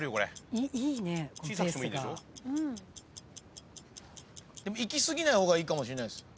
いき過ぎない方がいいかもしれないです。